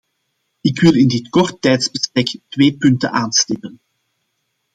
Ik wil in dit kort tijdsbestek twee punten aanstippen.